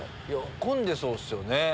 混んでそうっすよね。